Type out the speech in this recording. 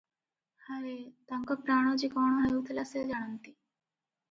ହାୟ! ତାଙ୍କ ପ୍ରାଣ ଯେ କଣ ହେଉଥିଲା ସେ ଜାଣନ୍ତି ।